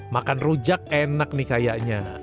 makan rujak enak nih kayaknya